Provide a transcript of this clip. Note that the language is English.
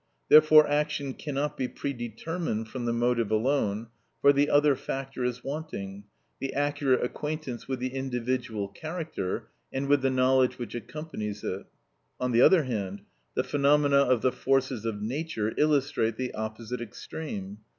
Therefore action cannot be predetermined from the motive alone, for the other factor is wanting, the accurate acquaintance with the individual character, and with the knowledge which accompanies it. On the other hand, the phenomena of the forces of nature illustrate the opposite extreme.